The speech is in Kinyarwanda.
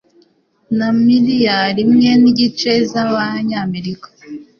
na miliyari imwe nigice z’amanyamerika.